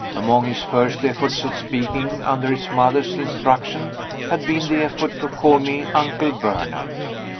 Among his first efforts at speaking, under his mother's instruction, had been the effort to call me Uncle Bernard.